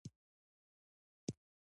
بېرته پر زينو وخوت.